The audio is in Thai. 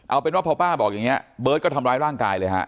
เอาเป็นว่าพอป้าบอกอย่างนี้เบิร์ตก็ทำร้ายร่างกายเลยฮะ